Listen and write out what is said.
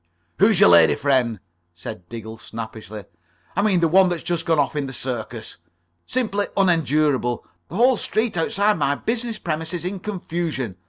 "Who's your lady friend?" said Diggle, snappishly. "I mean the one that's just gone off in the circus. Simply unendurable. The whole street outside my business premises in confusion.